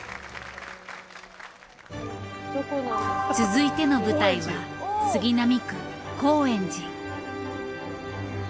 続いての舞台は杉並区高円寺。